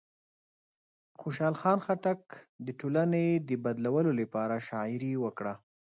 خوشحال خان خټک د ټولنې د بدلولو لپاره شاعري وکړه.